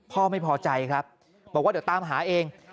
พ่อไม่พอใจครับบอกว่าเดี๋ยวตามหาเอง